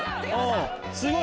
すごい！